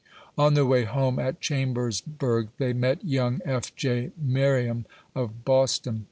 On their way home, at Chambersburg, they met young F. J. Merriam, of Boston.